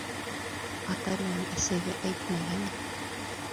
Атай менән әсәйгә әйтмә, йәме.